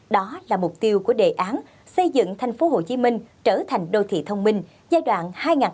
đó là mục tiêu của đề án xây dựng thành phố hồ chí minh trở thành đô thị thông minh giai đoạn hai nghìn một mươi bảy hai nghìn hai mươi